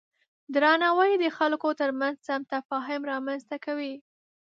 درناوی د خلکو ترمنځ سم تفاهم رامنځته کوي.